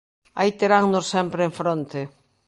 Aí terannos sempre en fronte.